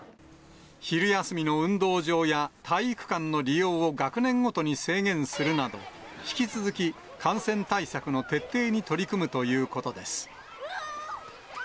昼休みの運動場や体育館の利用を学年ごとに制限するなど、引き続き感染対策の徹底に取り組むということです。